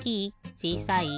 ちいさい？